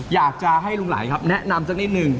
อยากจะให้ลุงไหลครับแนะนำสักนิดหนึ่ง